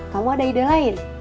kamu ada ide lain